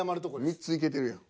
３ついけてるやん。